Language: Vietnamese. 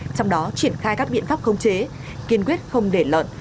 trong đó triển khai các biện pháp khống chế kiên quyết không để lợn